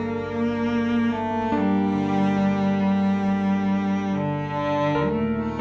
ibu panas banget badannya ibu